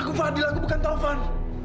aku fadil aku bukan taufan